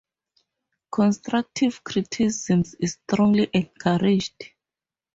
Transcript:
Constructive criticism is strongly encouraged.